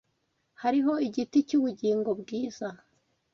hariho igiti cy’ubugingo bwiza